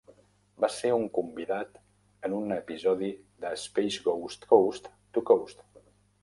Va ser un convidat en un episodi de Space Ghost Coast to Coast.